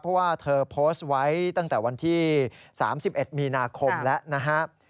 เพราะว่าเธอโพสต์ไว้ตั้งแต่วันที่๓๑มีนาคมแล้วนะครับ